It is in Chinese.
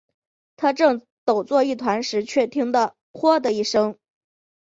他正抖作一团时，却听得豁的一声